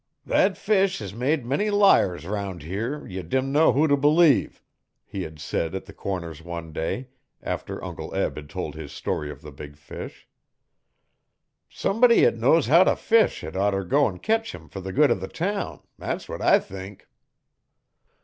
'Thet fish hes made s' many liars 'round here ye dimno who t' b'lieve,' he had said at the corners one day, after Uncle Eb had told his story of the big fish. 'Somebody 't knows how t' fish hed oughter go 'n ketch him fer the good o' the town thet's what I think.'